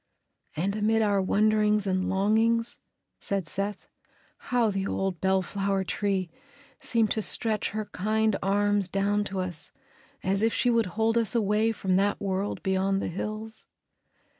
"And amid our wonderings and longings," said Seth, "how the old bellflower tree seemed to stretch her kind arms down to us as if she would hold us away from that world beyond the hills."